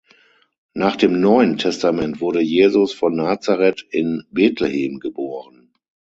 Nach dem Neuen Testament wurde Jesus von Nazaret in Bethlehem geboren.